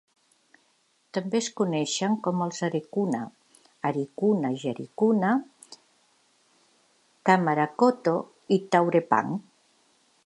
També es coneixen com els arecuna, aricuna jaricuna, kamarakoto i taurepang.